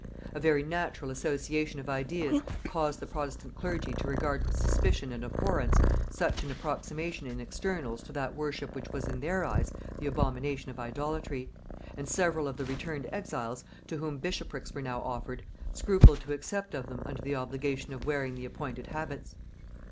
A very natural association of ideas caused the protestant clergy to regard with suspicion and abhorrence such an approximation in externals to that worship which was in their eyes the abomination of idolatry; and several of the returned exiles, to whom bishoprics were now offered, scrupled to accept of them under the obligation of wearing the appointed habits.